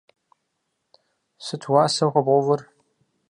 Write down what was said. Сыт уасэу хуэбгъэувыр?